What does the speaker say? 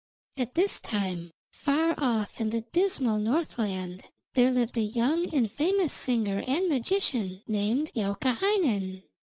At this time, far off in the dismal Northland, there lived a young and famous singer and magician named Youkahainen.